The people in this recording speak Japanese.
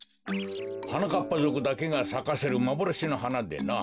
はなかっぱぞくだけがさかせるまぼろしのはなでな。